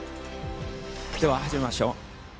では始めましょう。